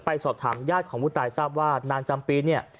สอบถามญาติของผู้ตายทราบว่านางจำปีเนี่ย